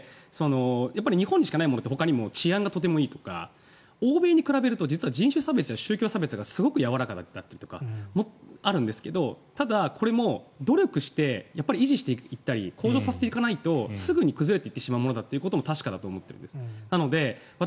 日本にしかないものってほかにも治安がとてもいいとか欧米に比べると人種差別や宗教差別がやわらかというのがあるんですがただ、これも努力して維持していったり向上させていかないとすぐに崩れてしまうものだということも確かだと思うんです。